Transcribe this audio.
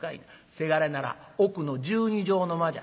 せがれなら奥の１２畳の間じゃ」。